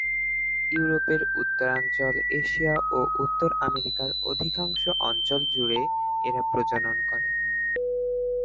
ইউরোপের উত্তরাঞ্চল, এশিয়া ও উত্তর আমেরিকার অধিকাংশ অঞ্চল জুড়ে এরা প্রজনন করে।